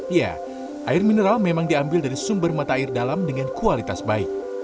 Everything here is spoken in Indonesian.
ya air mineral memang diambil dari sumber mata air dalam dengan kualitas baik